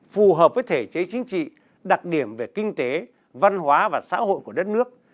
phù hợp với thể chế chính trị đặc điểm về kinh tế văn hóa và xã hội của đất nước